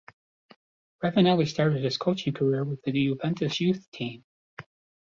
Ravanelli started his coaching career with the Juventus youth team.